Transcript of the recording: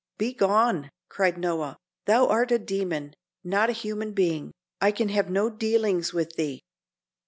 "Begone," cried Noah. "Thou art a demon, not a human being. I can have no dealings with thee."